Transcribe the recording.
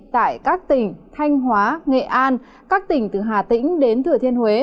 tại các tỉnh thanh hóa nghệ an các tỉnh từ hà tĩnh đến thừa thiên huế